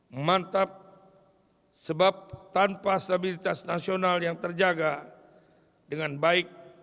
memantap sebab tanpa stabilitas nasional yang terjaga dengan baik